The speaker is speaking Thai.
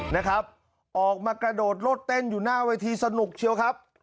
นะครับออกมากระโดดรถเต้นอยู่หน้าเวทีสนุกเชียวครับ